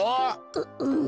ううん。